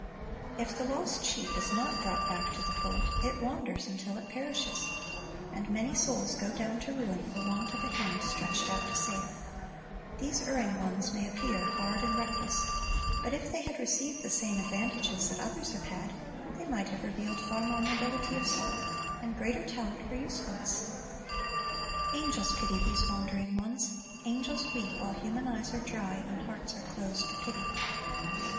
If the lost sheep is not brought back to the fold, it wanders until it perishes. And many souls go down to ruin for want of a hand stretched out to save. These erring ones may appear hard and reckless; but if they had received the same advantages that others have had, they might have revealed far more nobility of soul, and greater talent for 1 Isa. 53 : 5 '•^ I Ji>liii 3:1; John 17 : iS ; Col. i : 24 tg± Christ^s Object Lessons usefulness. Angels pity these wandering ones. Angels weep, , while human eyes are dry and hearts are closed to pity.